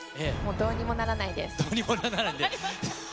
どうにもならないんで。